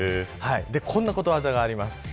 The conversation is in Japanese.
こんなことわざがあります。